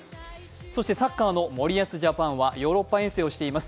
そしてサッカーの森保ジャパンはヨーロッパ遠征をしています。